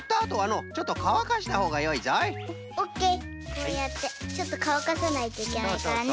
こうやってちょっとかわかさないといけないからね。